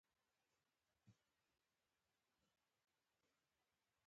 حرکت کول اړین دی